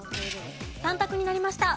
３択になりました。